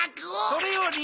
それより。